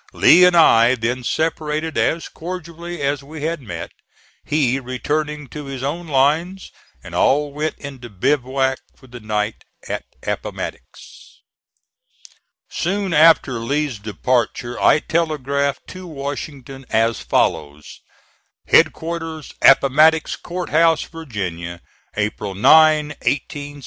Lee and I then separated as cordially as we had met, he returning to his own lines, and all went into bivouac for the night at Appomattox. Soon after Lee's departure I telegraphed to Washington as follows: HEADQUARTERS APPOMATTOX C. H., VA., April 9th, 1865, 4.